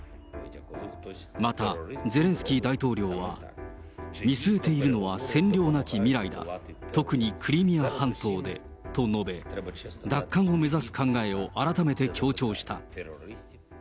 また、ゼレンスキー大統領は、見据えているのは占領なき未来だ、特にクリミア半島でと述べ、奪還を目指す考えを改めて強調した。